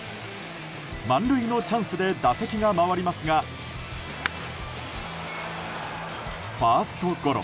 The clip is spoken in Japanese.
満塁のチャンスで打席が回りますがファーストゴロ。